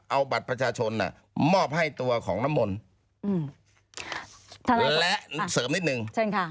เอาบัตรประชาชนมอบให้ตัวของน้ำมนต์และเสริมนิดนึงเชิญค่ะ